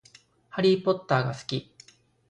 ハリーポッターが好き